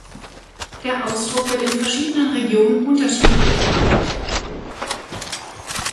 Der Ausdruck wird in verschiedenen Regionen unterschiedlich gebraucht.